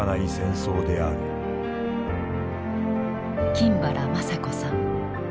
金原まさ子さん。